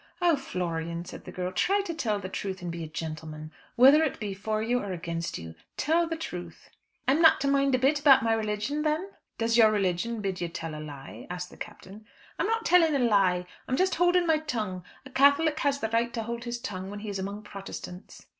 "Oh, Florian!" said the girl, "try to tell the truth and be a gentleman, whether it be for you or against you, tell the truth." "I'm not to mind a bit about my religion then?" "Does your religion bid you tell a lie?" asked the Captain. "I'm not telling a lie, I am just holding my tongue. A Catholic has a right to hold his tongue when he is among Protestants."